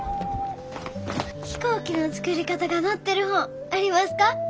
飛行機の作り方が載ってる本ありますか？